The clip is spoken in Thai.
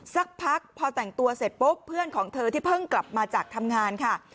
สักพักพอแต่งตัวเสร็จปุ๊บเพื่อนของเธอที่เพิ่งกลับมาจากทำงานค่ะ